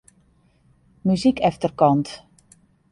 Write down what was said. Muzyk efterkant.